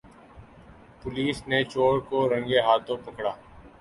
police نے چور کو رنگے ہاتھوں پکڑا